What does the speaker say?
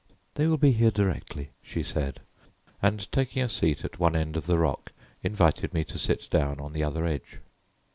"They will be here directly," she said, and taking a seat at one end of the rock invited me to sit down on the other edge.